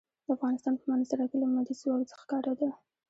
د افغانستان په منظره کې لمریز ځواک ښکاره ده.